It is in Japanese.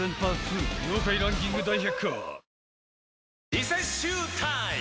リセッシュータイム！